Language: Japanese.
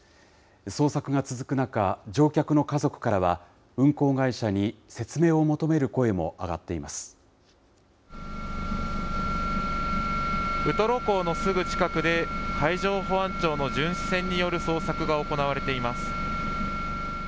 捜索が続く中、乗客の家族からは、運航会社に説明を求める声も上がウトロ港のすぐ近くで、海上保安庁の巡視船による捜索が行われています。